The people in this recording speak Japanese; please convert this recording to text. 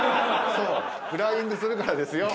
フライングするからですよ。